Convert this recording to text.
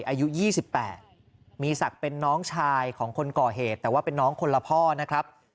อายุ๒๘มีศักดิ์เป็นน้องชายของคนก่อเหตุแต่ว่าเป็นน้องคนละพ่อนะครับ